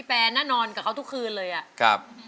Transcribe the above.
คุณแปรน่านอนกับเขาทุกคืนเลยอ่ะ